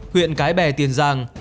huyện cái bè tiền giang